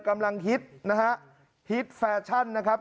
กำลังฮิตฮิตแฟชั่นนะครับ